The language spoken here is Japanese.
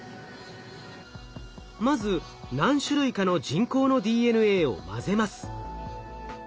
まず何種類かの人工のＤＮＡを混ぜます。